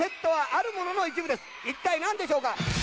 一体何でしょうか？